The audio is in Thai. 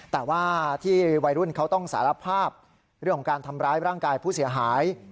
แต่ว่าที่วัยรุ่นเขาต้องสารภาพเรื่องของการทำร้ายร่างกายผู้เสียหาย